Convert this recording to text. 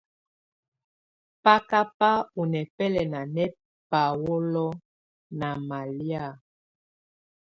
Ba ka bà ɔ̀ nɛ̀bɛlɛna nɛ paolo nà malɛ̀á.